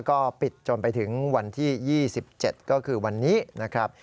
ก็ปิดจนไปถึงวันที่๒๗ก็คือวันนี้นะครับ